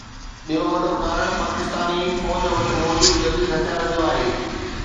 ٻيو وڏو ڪارڻ پاڪستاني فوج وٽ موجود جديد هٿيارن جو آهي.